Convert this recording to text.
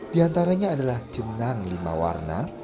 di antaranya adalah jenang lima warna